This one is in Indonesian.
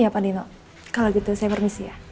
ya pak nino kalau gitu saya permisi ya